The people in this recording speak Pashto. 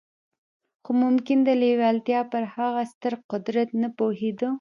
خو ممکن د لېوالتیا پر هغه ستر قدرت نه پوهېده